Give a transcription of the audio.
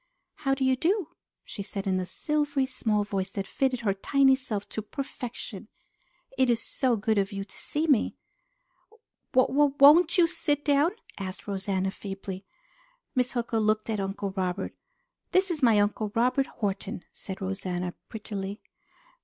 "How do you do?" she said in a silvery, small voice that fitted her tiny self to perfection. "It is so good of you to see me!" "W w won't you sit down?" asked Rosanna feebly. Miss Hooker looked at Uncle Robert. "This is my Uncle Robert Horton," said Rosanna prettily.